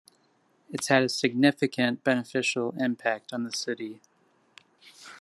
It's had a significant, beneficial impact on the city.